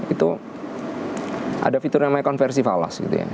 itu ada fitur namanya konversi falas gitu ya